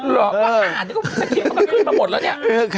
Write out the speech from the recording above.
หรอกว่าอ่านเดี๋ยวก็ขึ้นมาหมดแล้วนี่